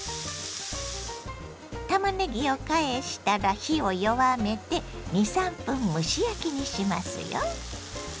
たまねぎを返したら火を弱めて２３分蒸し焼きにしますよ。